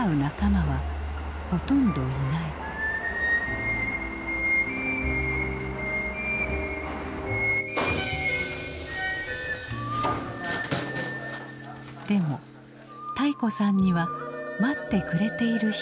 でも泰子さんには待ってくれている人がいる。